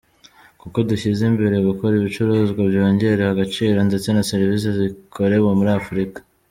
Kuko dushyize imbere gukora ibicuruzwa byongerewe agaciro, ndetse na serivisi bikorewe muri Afrika’’.